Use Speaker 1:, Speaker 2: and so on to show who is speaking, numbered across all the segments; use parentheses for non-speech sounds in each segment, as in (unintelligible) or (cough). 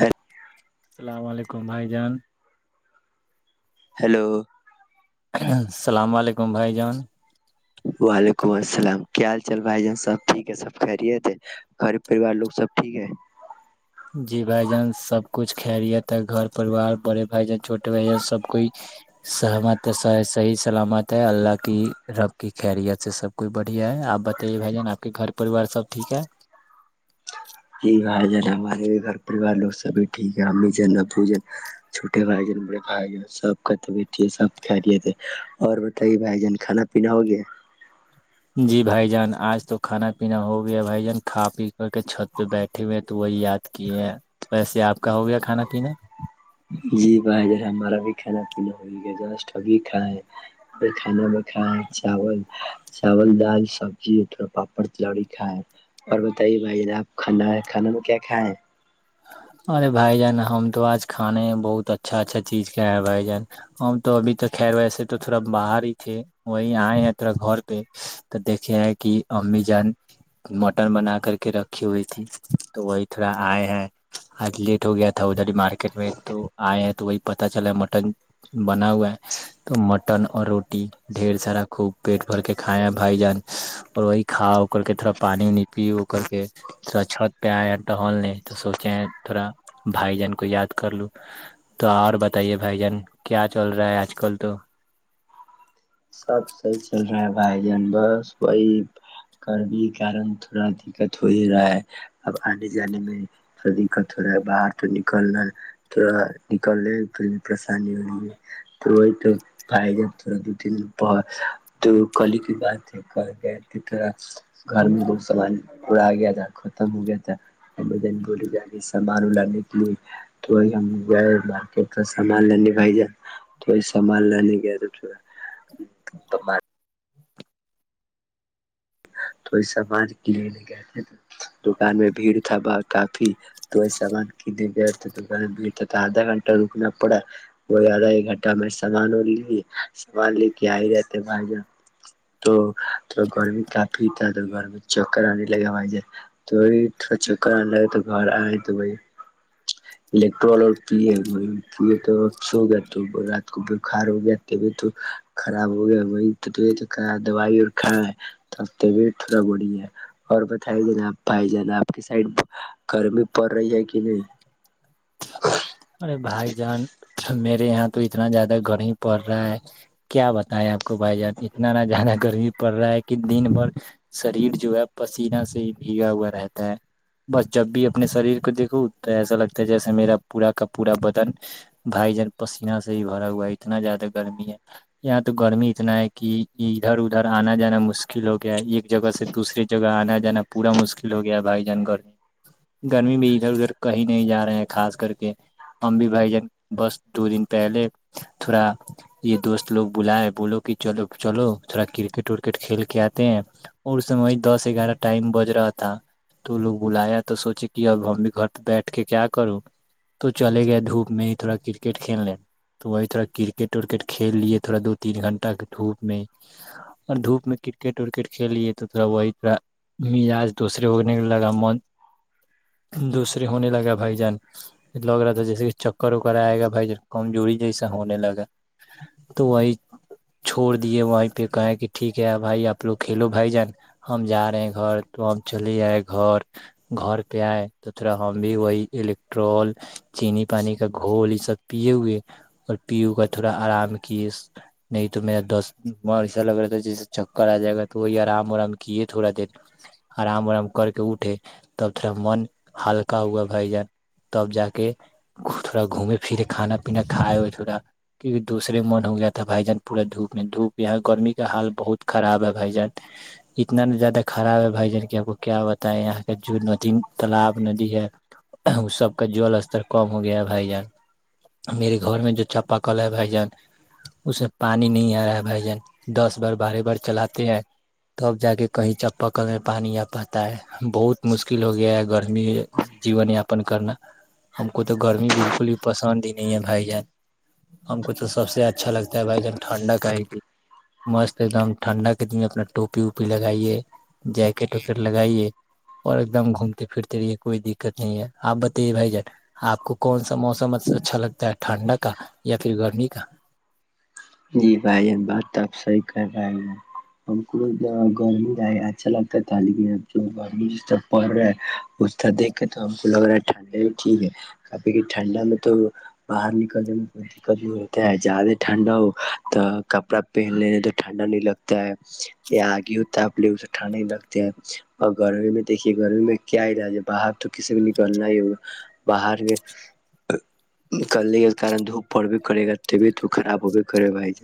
Speaker 1: heel-
Speaker 2: السلام علیکم کمائی جان
Speaker 1: ہلو
Speaker 2: السلام علیکم بھائی جان
Speaker 1: وعلیکم السلام کیا حال چال بھائی جان سب ٹھیک ہے سب خیرییے تھے گری پریوار لوگ سب ٹھیک ہے
Speaker 2: جی بھائی جان سب کچھ خیریت ہے گھر پریوار بڑے بائی جان چھوٹے بائی جان سب کوئی سہمت ہے سحی سلامت ہے اللہ کی رب کی خیریت ہے سب کوئی بڑ ب ہے آپ بتائیے بائی جان آ کے گھر پہ پریوار سب ٹھیک ہے
Speaker 1: جی بھائی جان ہمارے بھی گھر پریوار لوگ سب ٹھیک ہے امی جن ابو جن چھوٹے بھائی جان بڑے بھائی جان سب کاتے بیٹ ہے سب کہ لیے تھے اور بتائیے بھائی جان کھانا پینا ہو گیا (unintelligible)
Speaker 2: جی بھائی جان آج تو کھانا پینا ہو گیا بھائی جان کھا پی کر کے چھت پہ بیٹھے ہوئے تو وہی یاد کیے ہیں ویسے آپ کا ہو گیا کھانا پینا
Speaker 1: جی بھائیا ہمارا بھی کھانا پینا ہوبھی کھائے کھانا میں کھائے چاول چاول دال سبزی تھوڑا پاپڑ تلوڑی کھائے اور بتائیے بھائی آپ کھانا ہے کھانا میں کیا کھائےیں
Speaker 2: ارے بھائی جان ہم تو آج کھانے ہیں بہت اچھا اچھا چیز کیا ہیں بھائی جان ہم تو ابھی تو خیر ویسے تو تھوڑا باہر ہی تھے وہی آئے ہیں تھوڑا گھر پہ تو دیکھے ہیں کہ امی جان مٹن بنا کر کے رکھی ہوئی تھی تو وہی تھوڑا آئے ہیں آج لیٹ ہو گیا تھا ادھر مارکیٹ میں تو آئے ہیں تو وہی پتا چلا مٹن بنا ہوا ہے تو مٹن اور روٹی ڈھیر سارا خوب پیٹ بھر کے کھائے ہیں بھائی جان اور وہی کھا ا کر کے تھوڑا پانی وانی پی ا کر کے تھوڑا چھت پہ آیا ٹہلنے تو سو چاہ تھوڑا بھائی جان کو یاد کر لوں تو اور بتائیے بھائی جان کیا چل رہا ہے آج کل تو
Speaker 1: سب صحیح چل رہا ہے بھائی جان بس وہی گرمیی کے کارن تھوڑا دقت ہو ہی رہا ہے اب آنے جانے میں تھڑا دقت ہو رہا ہے باہر تو نکلنا تھوڑا نکلنے پریشانی ہو رہی ہے تو وہی تو بھائی جان تھوڑا دو تین تو کلی کی بات ہے کہ گئے تھڑا گھر میں لوگ سامان اڑا گیا تھا ختم ہو گیا تھا بول ج سامانے کے لیے تو وہ ہم گئے مارکیٹ سامان لنے بھائی جان تو وہی سامان لنے گئے تو تھا تو میں تو یہ سامان لینے گئے تھے دکان میں بھیڑ تھا ب کافی تو سامان کینے گئے تھ دکان میں بھیڑ تھا آدھا گھنٹہ رکنا پڑا وہی آدھا ایک گھنٹہ میں سامان اور لے سامان لے کے آئے رہ تھے بھائی جان تو گرمی کافی پیتا تو گھر میں چکر آنے لگے بھائی ج تو تھوڑا چکر آنے لگے تو گھر آئے تو بھ الیکٹرول اور پیے وہ یہ یہ تو سو گ تو وہ رات بخار ہو گیا طبیعت خراب ہو گیا وہی تو طبیعت دوائی اور کھ تب طبیت تھوڑا بڑی ہے اور بتائی ج نا آپ بھائی جان آپ کی سائڈ گرمی پڑ رہی ہے کہ نہیں
Speaker 2: ارے بھائی جان میرے یہاں تو اتنا زیادہ گرمی پڑ رہا ہے کیا بتائے آپ کو بھائی جان اتنا نہ زیادہ گرمی پڑ رہا ہے کہ دن بھر شریر جو ہے پسیینہ سے ہی بھیگا ہوا رہتا ہے بس جب بھی اپنے شریر کو دیکھو تو ایسا لگتا ہے جیسے میرا پورا کا پورا بدن بھائی جان پسیینہ سے ہی بھرا ہوا ہے اتنا زیادہ گرمی ہے یہاں تو گرمی اتنا ہے کہ ادھر ادھر آنا جانا مشکل ہو گیا ہے ایک جگہ سے دوسریے جگہ آنا جانا پورا مشکل ہو گیا ہے بھائی جان گرمی گرمی بھی ادھر ادھر کہیں نہیں جا رہے ہیں خاص کر ہم بھی بھائی جان بس دو دن پہلے تھوڑا یہ دوست لوگ بلائے بولو کہ چلو چلو تھوڑا کرکٹ ورکٹ کھیل کے آتے ہیں اور اس وہ دس گیارہ ٹائم بج رہا تھا تو وہ لوگ بلایا تو سوچے کہ اب ہم بھی گھر پہ بیٹھ کے کیا کروں تو چلے گئے دھوپ میں ہی تھوڑا کرکٹ کھیل لیں تو وہی تھوڑا کرکٹ ورکٹ کھیل لیے تھوڑا دو تین گھنٹہ کے دھوپ میں اور دھوپ میں کرکٹ ورکٹ کھیل لیے تو تھوڑا وہی تھوڑا مزاج دوسرے ہوگنے لگا من دوسرے ہونے لگا بھائی جان لگ رہا تھا جیسے کہ چکر وکر آئے گا بھائی جان کمزوری جیسا ہونے لگا تو وہی چھوڑ دیے وہیں پہ کہے کہ ٹھیک ہے بھائی آپ لوگ کھیلو بھائی جان ہم جا رہے ہیں گھر تو ہم چلے آئے گھر گھر پہ آئے تو تھڑا ہم بھی وہی الیکٹرول چینی پانی کا گھول یہ سب پیے ہوئے اور پی گا تھوڑا آرام کیے نہیں تو میرا د من ایسا لگ رہا تھا جیسے چکر آ جائے گا تو وہی آرام ورام کیے تھوڑا دیر آرام ورام کر کے اٹھے تب تھوڑا من ہلکا ہوا بھائی جان تب جا کے (inaudible) گھ پھرے کھانا پینا کھائے ہو تھوڑا کیونکہ دوسرے من ہو گیا تھا بھائی جان پورا دھوپ میں دھوپ یہ گرمی کا حال بہت خراب ہے بھائی جان اتنا زیادہ خراب ہے بھائی جان کی آپ کو کیا بتائے یہاں کا جو ند تالاب ندی ہے وہ سب کا جل (inaudible) ر کم ہو گیا ہے بھائی جان میرے گھر میں جو چاپا کل ہے بھائی جان اس میں پانی نہیں آ رہا ہے بھائی جان دس بار بارہ بار چلاتے ہیں تب جا کے کہیں چاپا کل میں پانی آ پاتا ہے بہت مشکل ہو گیا ہے گرمی جیون یاپن کرنا (inaudible) ہم کو تو گرمی بالکل ہی پسند ہی (unintelligible) نہیں ہے بھائی جان ہم کو تو سب سے اچھا لگتا ہے بھائی جان ٹھنڈا کا ہی مست ایک دم ٹھنڈا کے دن اپنا ٹوپی ووپی لگائیے جیکٹ وکٹ لگائیے اور ایک دم گھومتے پھرتے رہیے کوئی دقت نہیں ہے آپ بتائیے بھائی جان (inaudible) آپ کو کون سا موسم اچھا لگتا ہے ٹھنڈا کا یا پھر گرمی کا (unintelligible)
Speaker 1: جی بھائی بات توب صحی کر رہے ہم کو گرمی اچھا لگتا تھا لیکن اب گرمی جسرح پڑ رہا ہے اسح دیکھ کے تو ہم کو لگ رہا ہے ٹھنڈا ہی ٹھیک ہے کبھی ٹھنڈا میں تو باہر نکلنے میں کوئی دقت نہیں ہوتا ہے زیادہ ٹھنڈا ہو (unintelligible) کپڑا پہن لینے تو ٹھنڈا نہیں لگتا ہے یا آگے ہو تپ لےے ٹھنڈا نہیں لگتا ہے اور گرمی میں دیکھیے گرمی میں کیا ہی ر باہر تو کسی بھی نکلنا ہی ہوگا باہر میں نکلنے کے کن دھوپ پڑ بھی پے گا طبیت خراب ہو (inaudible) ے بھائی ج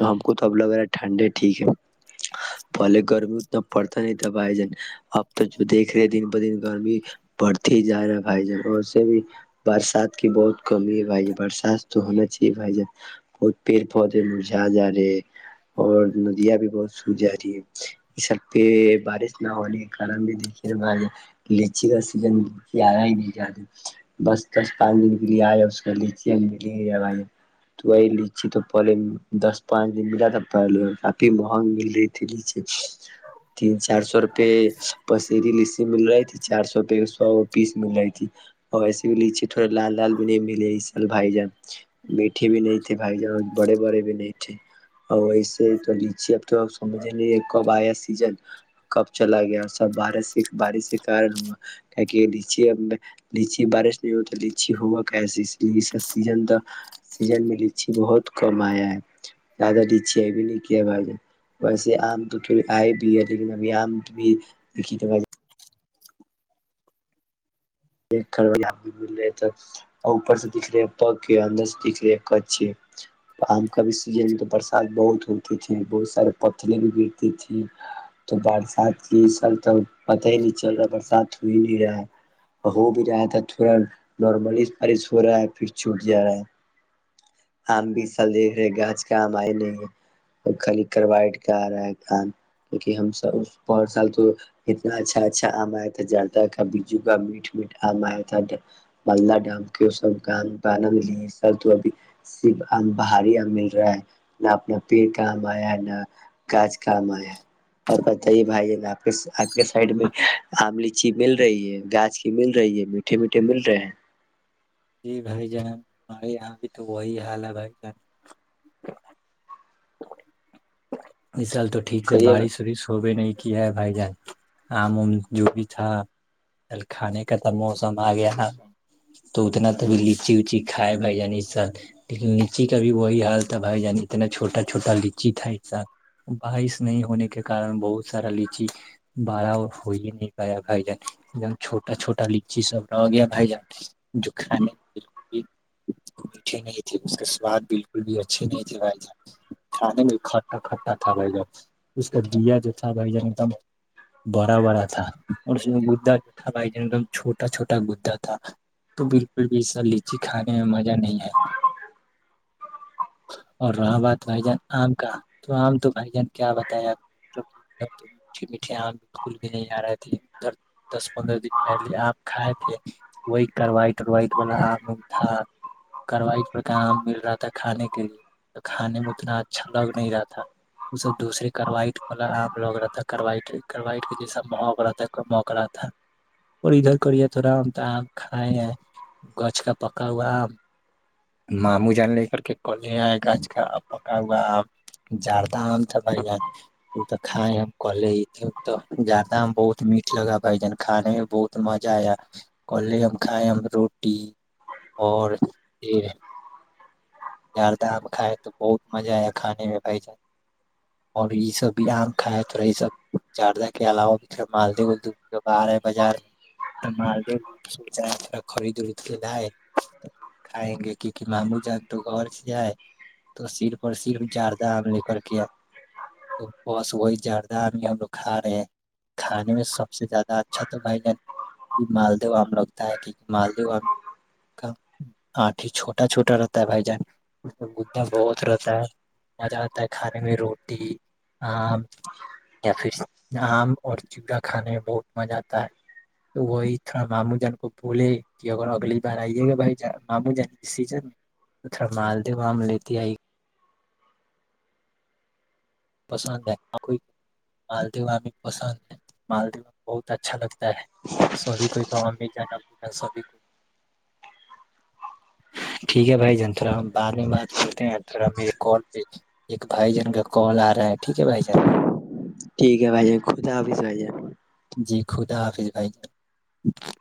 Speaker 1: ہم کو تو اب لگ رہا ہے ٹھنڈے ٹھیک ہے پہلے گرمی اتنا پڑتا نہیں تھا بھائی جان اب تو جو دیکھ رہے دن ب دن گرمی بڑتے ہی جا رہا ہے بھائی جان اور سے بھی برسات کی بہت کمی ہے بھائی ج برسات تو ہونا چاہیے بھائی جن (inaudible) بت پیڑ پودے مرجا جا رہے ہے اور ندیاں بھی بہت سو جا رہی ہے یہ سب پہ بارش نہ ہونے کے کارن بھی دیکھیے لچی کا سیزن آیا ہی نہیں جا بس دس پانچ دن کے لیے آیا اس کاچی ہم م ہی رہ تو وہ (unintelligible) چ تو پہلے دس پانچ دن ملا تھا پہلے کافی مہنگ مل رہی تھی لچی تین چار سو روپے پسری لچی مل رہی تھی چار سو روپ سو پیس مل رہی تھی اور وسے بھی لیچی تھوڑے لال لال بھی نہیں ملے سال بھائی جان میٹھے بھی نہیں (unintelligible) بھائی جان بڑے بڑے بھی نہیں تھے اور ویس تو لیچی اب تو سمجھ نہیں کب آیا سیزن کب چلا گیا سب بارش سے بارش کے کارن ہواکچیچی بارش نہیں ہو تو لیچی ہوا کیسے اس لیے سیزن تھا سیزن میں (inaudible) لچ بہت کم آیا ہے زیادہ لچی بھی نہیں کیا ویسے آم تو تھوڑی آئے بھی ہے لیکن ابھی آم بھی دھی (unintelligible) ایک بھی مل رہے تو اوپر سے دکھ رہے پگ اندر سے دکھ رہے کچ آم کا بھی سیزن میں تو برسات بہت ہوتی تھی بہت سارے پتلے بھی گرتی تھی تو برسات کی س (inaudible) توب پتہ ہی نہیں چل رہا ہے برسات ہوئی نہیں رہا (inaudible) ا تھا نارملی بارش ہو رہا ہے پھر چوٹ جا رہا ہے آم بھی سال دیکھ رہے گاچ کا آم آئے نہیں اور خالی کروائٹ کا آ رہا ہے کام کیکہ ہم سب بہ سال تو اتنا اچھا اچھا آم آیا تھا ج کا بجو کا میٹ (inaudible) آیا تھا مالدہ ڈ کی سب کامانا م سر تو ابھی صر آم باہاری آم مل رہا ہے نہ اپنا پیڑ کا آم آیا ہے نہ گاھ کا آم آیا ہے اور بتائیے بھائی آپ آپ کے سائڈ میں آم لیچی مل رہی ہے گاچ (inaudible) مل رہی ہے میٹھے میٹھے مل رہے ہیں (inaudible)
Speaker 2: جی بھائی جان ہمے آ تو وہی حال ہے بھائی جان (inaudible) (inaudible) مشال (inaudible) تو ٹیک سے
Speaker 1: کہیے
Speaker 2: بارش وورش ہو نہیں (unintelligible) کیا ہے بھائی جان آم وم جو بھی تھا کھانے کا تب موسم آ گیا (inaudible) تو اتنا تبھی لیچی اوچی کا (unintelligible) کھائے بھائی جانی اس سال لیکن لچی کا بھی وہی حال تھا بھائی جانی اتنا چوٹا چوٹا لچی تھا (inaudible) بارش نہیں ہونے کے کن بہت سارا لچی بڑا ہو ہی نہیں گایا بھائی جان ایک دم چھوٹا چھوٹا لچی سب رہ گیا بھائی جان جو کھانے میں بکل بھی میٹھے نہیں تھے اس کا سواد بالکل بھی اچھے نہیں تھے بھائی جان کھانے میں (inaudible) کا تھا بھائی ج اس کا دیا جو تھا بھائی جان ایک دم بڑا بڑا تھا اور اس میں گدا جو تھا بھائی جان ایک دم چھوٹا چھوٹا گدا تھا تو بالکل بھی اسا لیچی کھانے میں مزہ نہیں ہے اور رہا بات بھائی جان آم کا (inaudible) تو آم تو بھائی جان کیا بتایا میٹ میٹھے آم بالکل بھی نہیں آ رہے تھے ادھر دس پندرہ دن پہلے آم کھائے تھے وہی کروائٹوائٹ والا آم تھا کروائٹ ب کا آم مل رہا تھا کھانے کے لیے تو کھانے میں اتنا اچھا لگ نہیں رہا تھا (unintelligible) ب دوسرری کروٹ والا آم لگ رہا تھا کروٹ کروائٹ جیسا مک رہا تھا کو موک رہا تھا اور ادھر کری تھوڑا آم تو آم کھائے گھ کا پکا ہوا آم ماموں جان لے کر کے ک لے آئے گچھ کا پکا ہوا آم (unintelligible) زاردہ آم تھا بھ جان وہ تو کائے ہم کے ہی تے تو زاردہ آم بہت میٹھ لگا بھ جان کھانے میں بہت مزہ آیا کلے ہم کھائے ہم روٹی اور پ زاردہ آم کائے تو بہت مزہ آیا کھانے میں (inaudible) اور یہ سب بھی آم کائے تھوڑا یہ سب زاردہ کے علاوہ بھی تھوڑا مالدہداہ رہا بازار میںد تھا خریدد کے لائے (inaudible) کھائیں گے کیونکہ ممو جا (inaudible) تو گھر سے جائے تو سرف اور سرف جار (inaudible) آم لے کر کے تو بس وہی زیادہ آم ہی ہم لوگ کھا رہے ہیں کھانے میں سب سے زیادہ اچھا تو بھائی جان یہ مالدو آم لگتا ہے کیونکہ مالدو آم کا آٹ چھوٹا چھوٹا رہتا ہے بھائی جان اسا بہت رہتا ہے (inaudible) مزہ آتا ہے کھانے میں روٹی (unintelligible) یا پھر (inaudible) آم اور چیورا کھانے میں بہت مزہ آتا ہے تو وہی تھوڑا ماموں جان کو بھولے کہ اگر اگلی بار آئیے گا بھائی ماموں جان اس سیزن میں تو تھوڑا مالدہ آم لیتے آئی (inaudible) پسند ہے مالدو پسند ہے مالدو بہت اچھا لگتا ہے (unintelligible) ہے سوب کوئی کا بھی (inaudible) جانا بچنا سبھی کو ٹھیک ہے بھائی جان تھڑا ہم بعد میں بات کرتے ہیں تھڑا میرے کال پہ ایک بھائی جن کا کال آ رہا (inaudible) ٹھیک ہے بھائی جان (inaudible)
Speaker 1: ٹھیک ہے بائیے خود ہافس بائیے (unintelligible)
Speaker 2: جی خدا حافظ بھائی ج (unintelligible)